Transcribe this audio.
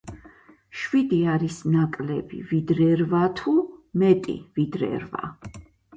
შვიდი არის ნაკლები, ვიდრე რვა, თუ მეტი, ვიდრე რვა